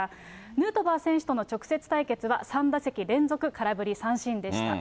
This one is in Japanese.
ヌートバー選手との直接対決は３打席連続空振り三振でした。